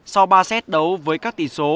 sau ba set đấu với các tỷ số